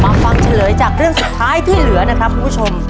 ฟังเฉลยจากเรื่องสุดท้ายที่เหลือนะครับคุณผู้ชม